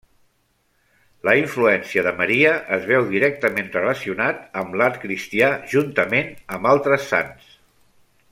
La influència de Maria es veu directament relacionat amb l'art cristià, juntament amb altres sants.